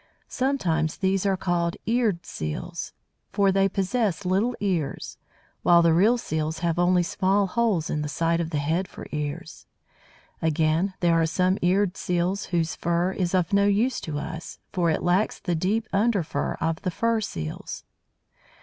Sometimes these are called Eared Seals, for they possess little ears, while the real Seals have only small holes in the side of the head for ears. Again, there are some Eared Seals whose fur is of no use to us, for it lacks the deep under fur of the fur Seals.